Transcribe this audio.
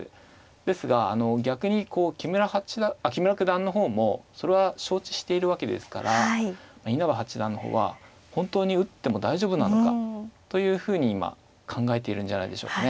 ですがあの逆に木村九段の方もそれは承知しているわけですから稲葉八段の方は本当に打っても大丈夫なのかというふうに今考えているんじゃないでしょうかね。